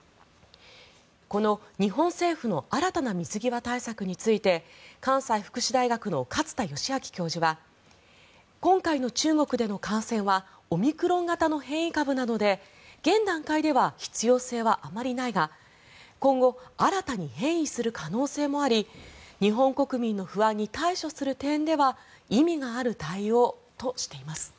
この日本政府の新たな水際対策について関西福祉大学の勝田吉彰教授は今回の中国での感染はオミクロン型の変異株なので現段階では必要性はあまりないが今後新たに変異する可能性もあり日本国民の不安に対処する点では意味がある対応としています。